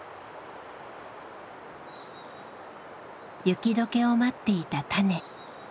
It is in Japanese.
雪どけを待っていた種。